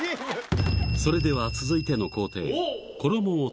それでは続いての工程